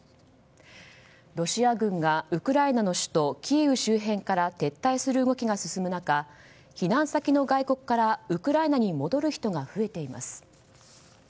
ロシア軍がウクライナの首都キーウ周辺から撤退する動きが進む中避難先の外国からウクライナに戻る人が増えています。